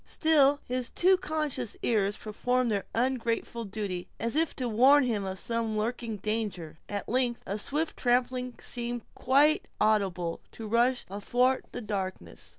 Still, his too conscious ears performed their ungrateful duty, as if to warn him of some lurking danger. At length, a swift trampling seemed, quite audibly, to rush athwart the darkness.